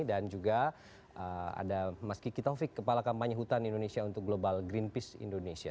dan juga ada mas kiki taufik kepala kampanye hutan indonesia untuk global greenpeace indonesia